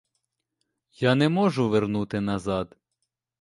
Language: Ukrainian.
Я не можу вернути назад.